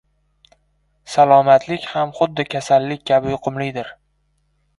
Salomatlik ham xuddi kasal-lik kabi yuqumlidir.